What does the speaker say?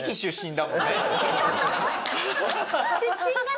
出身がね。